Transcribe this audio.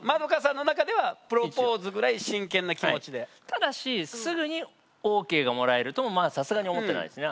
ただしすぐにＯＫがもらえるともまあさすがに思ってないですね。